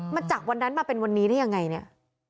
มันจากวันนั้นมาเป็นวันนี้ได้ยังไงเนี่ย